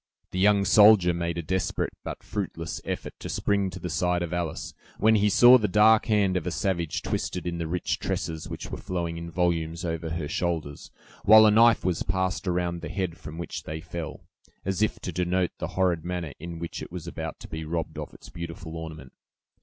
The young soldier made a desperate but fruitless effort to spring to the side of Alice, when he saw the dark hand of a savage twisted in the rich tresses which were flowing in volumes over her shoulders, while a knife was passed around the head from which they fell, as if to denote the horrid manner in which it was about to be robbed of its beautiful ornament.